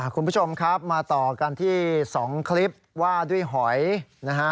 คุณผู้ชมครับมาต่อกันที่๒คลิปว่าด้วยหอยนะฮะ